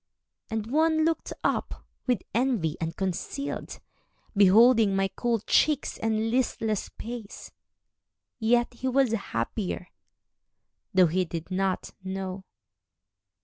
And one looked up, with envy unconcealed, Beholding my cool cheeks and listless pace, Yet he was happier, though he did not know.